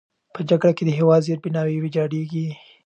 په جګړه کې د هېواد زیربناوې ویجاړېږي.